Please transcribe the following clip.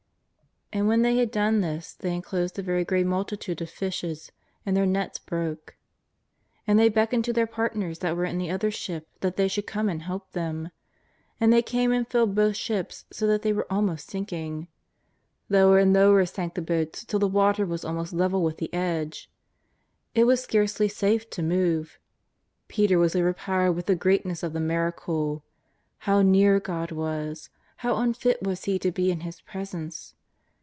And when they had done this they enclosed a very ^eat multitude of fishes and their net broke. And thoy beckoned to their partners that were in the other ship that they should come and help them. And they came and filled both the ships so that they were almost sinking. Lower and lower sank the boats till the water was almost level with the edge. It was scarcely safe to move. Peter was overpowered with the greatness of the miracle. How near God was! How unfit was he to be in His Presence